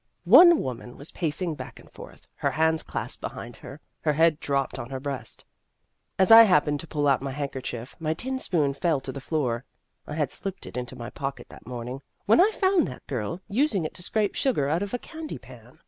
One woman was pacing back and forth, her hands clasped behind her, her head dropped on her breast. As I happened to pull out my handkerchief, my tin spoon fell to the floor. (I had slipped it into my pocket that morning, when I found that girl using it to scrape sugar out of a candy pan.)